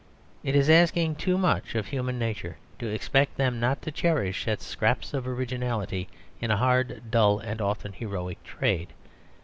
It is asking too much of human nature to expect them not to cherish such scraps of originality in a hard, dull, and often heroic trade.